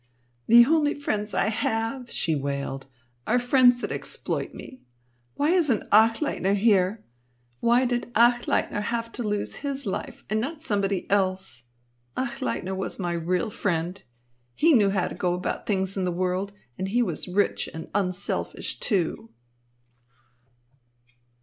"The only friends I have," she wailed, "are friends that exploit me. Why isn't Achleitner here? Why did Achleitner have to lose his life, and not somebody else? Achleitner was my real friend. He knew how to go about things in the world, and he was rich and unselfish, too."